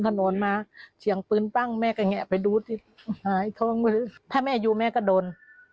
ถนนมาเสียงปืนปั้งแม่ก็แงะไปดูสิหายทองมือถ้าแม่อยู่แม่ก็โดน